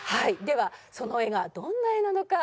ではその絵がどんな絵なのか。